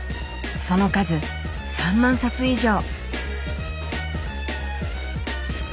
その数３万冊以上。